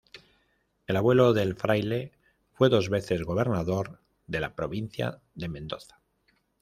El abuelo del fraile, fue dos veces gobernador de la provincia de Mendoza.